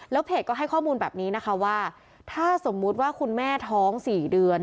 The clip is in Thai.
เพจก็ให้ข้อมูลแบบนี้นะคะว่าถ้าสมมุติว่าคุณแม่ท้อง๔เดือน